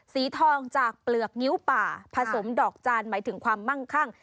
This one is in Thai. สีทองจากเปลือกงิ้วป่าผสมดอกจานหมายถึงความมั่งคั่ง